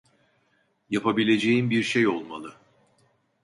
Yapabileceğin bir şey olmalı.